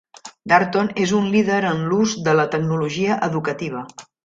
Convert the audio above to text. Darton és un líder en l'ús de la tecnologia educativa.